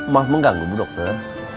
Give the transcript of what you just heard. maaf mengganggu bu dokter